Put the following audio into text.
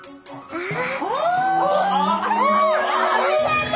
ああ。